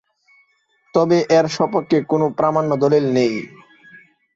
তবে এর স্বপক্ষে কোন প্রামাণ্য দলিল নেই।